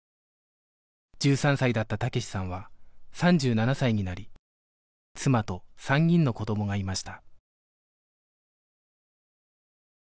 １３歳だった武志さんは３７歳になり妻と３人の子どもがいました